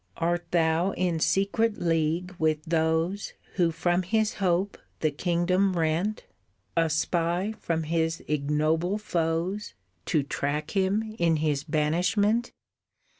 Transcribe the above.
"Art thou in secret league with those Who from his hope the kingdom rent? A spy from his ignoble foes To track him in his banishment?